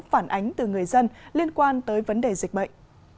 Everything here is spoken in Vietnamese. phản ánh từ người dân liên quan tới vấn đề dịch bệnh